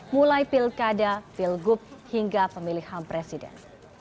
mulai pilkada pilgub hingga pemilihan presiden